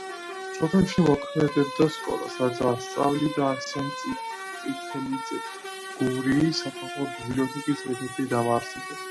სოფელში მოქმედებდა სკოლა, სადაც ასწავლიდა არსენ წითლიძე, გურიის სახალხო ბიბლიოთეკის ერთ-ერთი დამაარსებელი.